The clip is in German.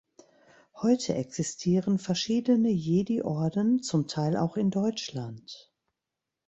Heute existieren verschiedene Jedi Orden, zum Teil auch in Deutschland.